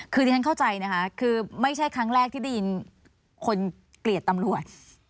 คือที่ฉันเข้าใจนะคะคือไม่ใช่ครั้งแรกที่ได้ยินคนเกลียดตำรวจ